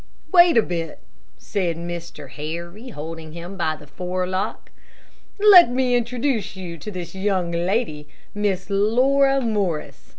"Wait a bit," said Mr. Harry, holding him by the forelock. "Let me introduce you to this young lady, Miss Laura Morris.